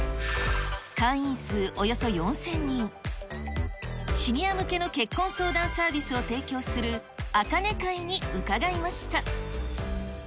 会員数およそ４０００人、シニア向けの結婚相談サービスを提供する茜会に伺いました。